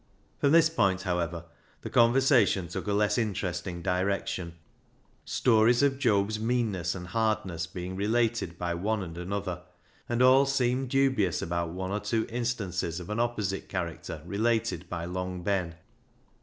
From this point, however, the conversation took a less interesting direction, stories of Job's THE HAUNTED MAN 381 meanness and hardness being related by one and another, and all seemed dubious about one or two instances of an opposite character related by Long Ben.